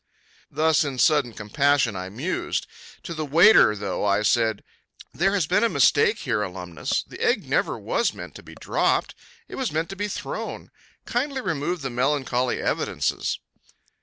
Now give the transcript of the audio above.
Thus in sudden compassion I mused. To the waiter, though, I said: "There has been a mistake here, alumnus. This egg never was meant to be dropped it was meant to be thrown. Kindly remove the melancholy evidences."